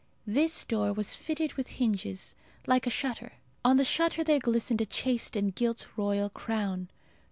This door was fitted with hinges, like a shutter. On the shutter there glistened a chased and gilt royal crown.